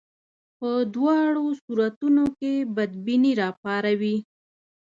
په دواړو صورتونو کې بدبیني راپاروي.